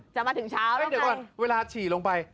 จะมาถึงเช้าเดี๋ยวก่อนเวลาฉี่ลงไป